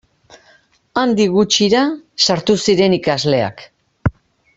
Handik gutxira sartu zinen ikasleak.